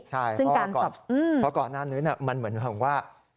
ใช่เพราะก่อนหน้านี้มันเหมือนว่า